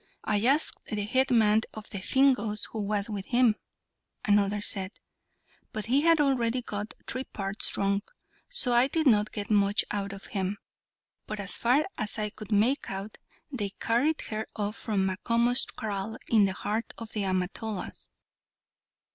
I asked the head man of the Fingoes, who was with him," another said, "but he had already got three parts drunk, so I did not get much out of him; but as far as I could make out, they carried her off from Macomo's kraal in the heart of the Amatolas."